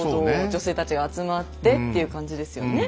女性たちが集まってっていう感じですよね。